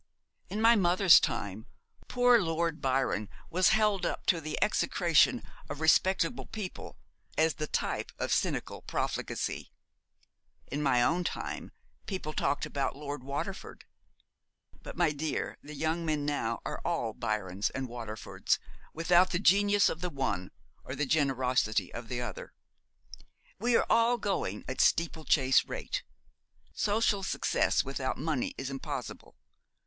In my mother's time poor Lord Byron was held up to the execration of respectable people as the type of cynical profligacy; in my own time people talked about Lord Waterford; but, my dear, the young men now are all Byrons and Waterfords, without the genius of the one or the generosity of the other. We are all going at steeplechase rate. Social success without money is impossible.